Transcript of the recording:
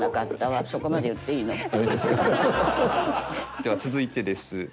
では続いてです。